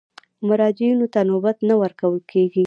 مراجعینو ته نوبت نه ورکول کېږي.